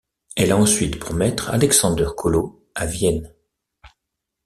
Elle a ensuite pour maître Alexander Kolo à Vienne.